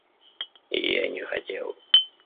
Я не хотел.